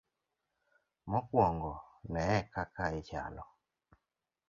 Mokwongo ne e kaka ichalo.